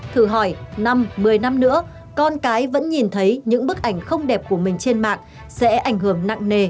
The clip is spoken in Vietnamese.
thử hỏi năm một mươi năm nữa con cái vẫn nhìn thấy những bức ảnh không đẹp của mình trên mạng sẽ ảnh hưởng nặng nề